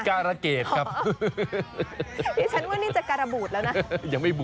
การะเกตครับ